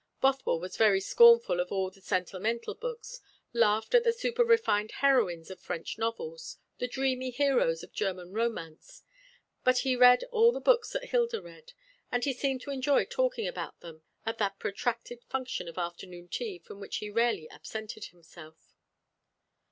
Bothwell was very scornful of all the sentimental books, laughed at the super refined heroines of French novels, the dreamy heroes of German romance; but he read all the books that Hilda read, and he seemed to enjoy talking about them at that protracted function of afternoon tea from which he rarely absented himself.